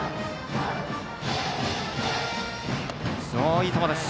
いい球です。